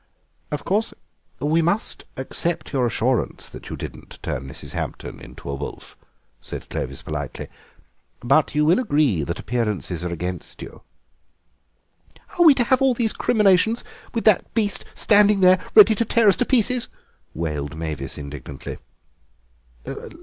"Of course we must accept your assurance that you didn't turn Mrs. Hampton into a wolf," said Clovis politely, "but you will agree that appearances are against you." "Are we to have all these recriminations with that beast standing there ready to tear us to pieces?" wailed Mavis indignantly.